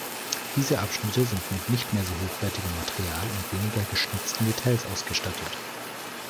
Diese Abschnitte sind mit nicht mehr so hochwertigem Material und weniger geschnitzten Details ausgestattet.